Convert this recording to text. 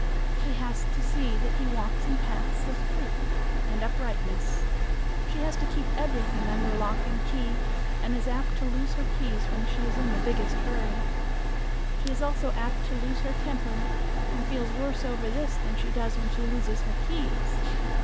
She has to see that he walks in paths of truth and uprightness. She has to keep everything under lock and key, and is apt to lose her keys when she is in the biggest hurry. She is also apt to lose her temper, and feels worse over this than she does when she loses her keys.